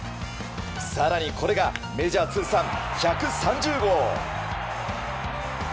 更にこれがメジャー通算１３０号。